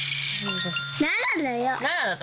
７だよ。